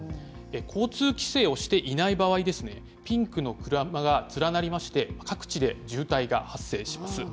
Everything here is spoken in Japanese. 交通規制をしていない場合ですね、ピンクの車が連なりまして、各地で渋滞が発生します。